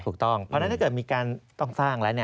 ถูกต้องเพราะฉะนั้นถ้าเกิดมีการต้องสร้างแล้ว